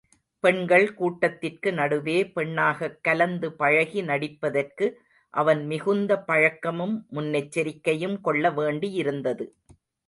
பெண்கள் கூட்டத்திற்கு நடுவே பெண்ணாகக் கலந்து பழகி நடிப்பதற்கு அவன் மிகுந்த பழக்கமும் முன்னெச்சரிக்கையும் கொள்ள வேண்டியிருந்தது.